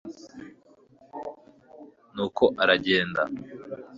nuko aragenda